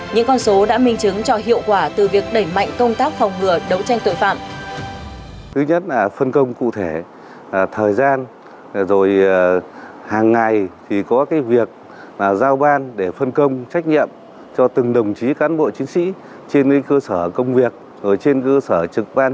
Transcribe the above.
những con số đã minh chứng cho hiệu quả từ việc đẩy mạnh công tác phòng ngừa đấu tranh tội phạm